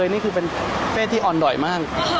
นี่คือเป็นเป้ที่อ่อนดอยมาก